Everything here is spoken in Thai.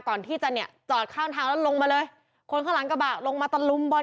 ก่อนที่จะเนี่ยจอดข้างทางแล้วลงมาเลยคนข้างหลังกระบะลงมาตะลุมบอล